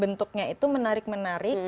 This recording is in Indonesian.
bentuknya itu menarik menarik